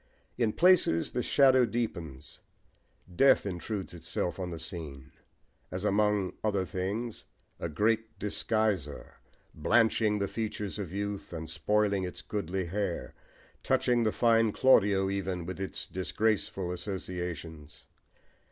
In places the shadow deepens: death intrudes itself on the scene, as among other things "a great disguiser," blanching the features of youth and spoiling its goodly hair, touching the fine Claudio even with its disgraceful associations.